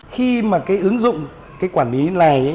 khi mà cái ứng dụng cái quản lý này